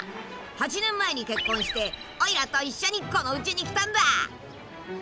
８年前に結婚しておいらと一緒にこのうちに来たんだ。